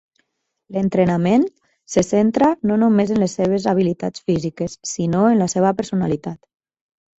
L'entrenament se centra no només en les seves habilitats físiques, sinó en la seva personalitat.